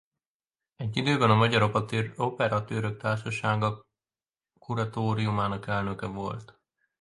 Egy időben a Magyar Operatőrök Társasága kuratóriumának elnöke volt.